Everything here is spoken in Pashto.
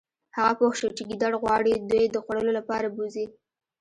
هغه پوه شو چې ګیدړ غواړي دوی د خوړلو لپاره بوزي